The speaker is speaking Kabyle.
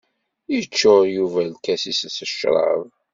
Yeččur Yuba lkas-is s ccrab.